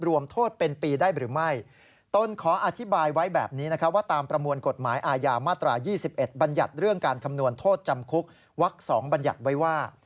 วักษ์๒บัญญัติไว้ว่า